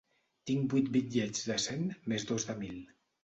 Tinc vuit bitllets de cent més dos de mil.